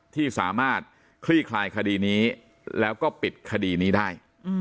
ที่สามารถคลี่คลายคดีนี้แล้วก็ปิดคดีนี้ได้